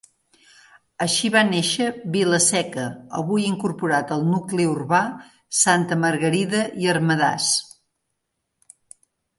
Així va néixer Vila-seca, avui incorporat al nucli urbà, Santa Margarida i Ermedàs.